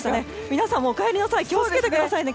皆さんもお帰りの際気を付けてくださいね。